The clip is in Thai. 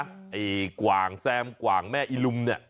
ไอ้กว่างแซมกว่างแม่อีลุมเนี่ย